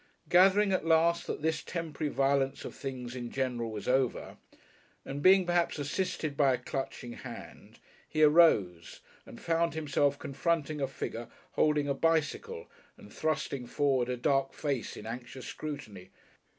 Gathering at last that this temporary violence of things in general was over, and being perhaps assisted by a clutching hand, he arose, and found himself confronting a figure holding a bicycle and thrusting forward a dark face in anxious scrutiny.